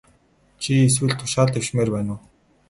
Чи эсвэл тушаал дэвшмээр байна уу?